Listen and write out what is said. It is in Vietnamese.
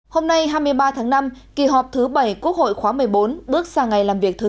hôm nay hai mươi ba tháng năm kỳ họp thứ bảy quốc hội khóa một mươi bốn bước sang ngày làm việc thứ ba